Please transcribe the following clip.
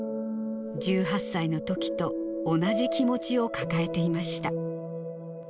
１８歳のときと同じ気持ちを抱えていました。